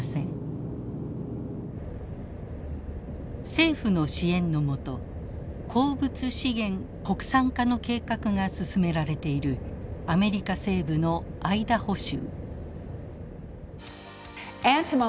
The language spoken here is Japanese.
政府の支援の下鉱物資源国産化の計画が進められているアメリカ西部のアイダホ州。